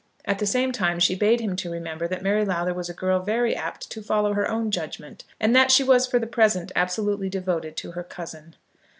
At the same time she bade him remember that Mary Lowther was a girl very apt to follow her own judgment, and that she was for the present absolutely devoted to her cousin.